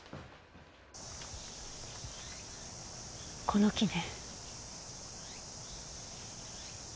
この木ね。